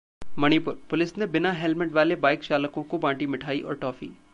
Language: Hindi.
मणिपुरः पुलिस ने बिना हेलमेट वाले बाइक चालकों को बांटी मिठाई और टॉफी